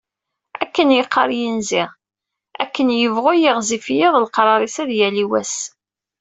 Akken yeqqaṛ yinzi: "Akken yebɣu yiɣzif yiḍ, leqrar-is ad yali wass".